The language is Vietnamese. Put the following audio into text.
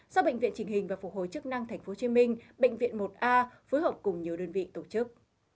do bệnh viện trình hình và phục hồi chức năng tp hcm bệnh viện một a phối hợp cùng nhiều đơn vị tổ chức